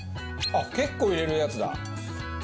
あっ結構入れるやつだ。